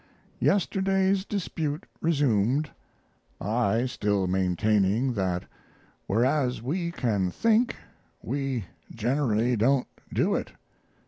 Yesterday's dispute resumed, I still maintaining that, whereas we can think, we generally don't do it.